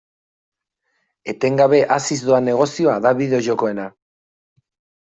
Etengabe haziz doan negozioa da bideo-jokoena.